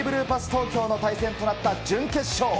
東京の対戦となった準決勝。